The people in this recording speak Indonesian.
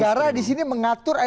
negara di sini mengatur